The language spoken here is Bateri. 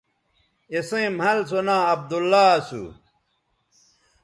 اِسئیں مَھل سو ناں عبداللہ اسو